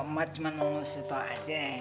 ma cuma menurut situ aja